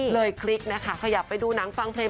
คลิกนะคะขยับไปดูหนังฟังเพลง